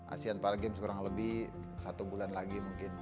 asean para games kurang lebih satu bulan lagi mungkin